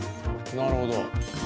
なるほど。